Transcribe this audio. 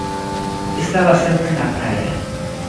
Estaba sempre na praia.